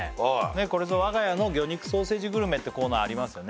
これぞ我が家の魚肉ソーセージグルメってコーナーありますよね